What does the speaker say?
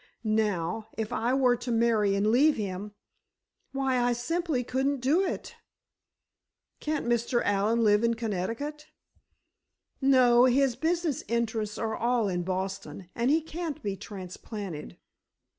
Now, if I were to marry and leave him—why, I simply couldn't do it!" "Can't Mr. Allen live in Connecticut?" "No; his business interests are all in Boston, and he can't be transplanted.